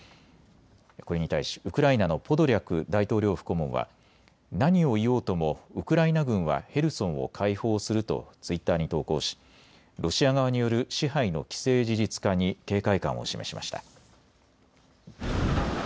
これに対しウクライナのポドリャク大統領府顧問は何を言おうともウクライナ軍はヘルソンを解放するとツイッターに投稿しロシア側による支配の既成事実化に警戒感を示しました。